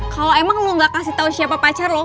kalo emang lu gak kasih tau siapa pacar lu